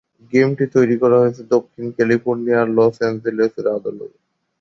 গেমটি তৈরি করা হয়েছে দক্ষিণ ক্যালিফোর্নিয়া আর লস অ্যাঞ্জেলেসের আদলে।